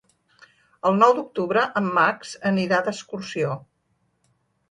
El nou d'octubre en Max anirà d'excursió.